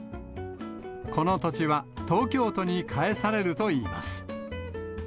この土地は東京都に返されるといいます。